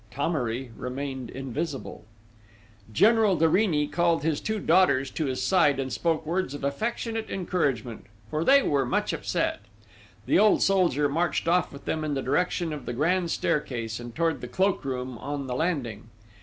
Thomery remained invisible. General de Rini called his two daughters to his side and spoke words of affectionate encouragement, for they were much upset. The old soldier marched off with them in the direction of the grand staircase and towards the cloak room on the landing.